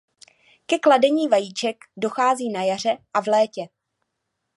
Ke kladení vajíček dochází na jaře a v létě.